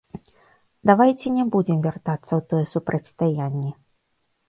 Давайце не будзем вяртацца ў тое супрацьстаянне.